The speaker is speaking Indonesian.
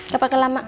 gak pake lama